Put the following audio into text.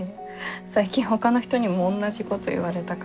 最近ほかの人にもおんなじこと言われたから。